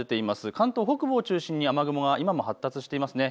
関東北部を中心に雨雲が今も発達しています。